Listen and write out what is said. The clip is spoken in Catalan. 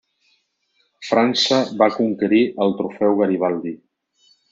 França va conquerir el Trofeu Garibaldi.